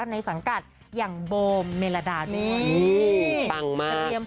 ในสังกัดอย่างโบมเมลาดานี่ปังมาก